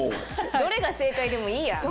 どれが正解でもいいや。